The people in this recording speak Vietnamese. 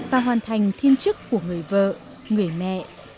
và hoàn thành thiên chức của người vợ người mẹ